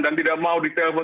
dan tidak mau di telepon